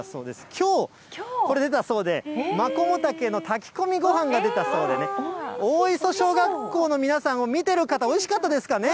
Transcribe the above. きょう、これ出たそうで、マコモタケの炊き込みごはんが出たそうでね、大磯小学校の皆さん、見てる方、おいしかったですかね。